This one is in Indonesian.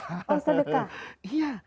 oh sedekah iya